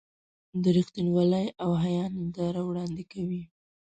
د رښتینولۍ او حیا ننداره وړاندې کوي.